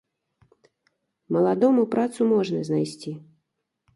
Маладому працу можна знайсці.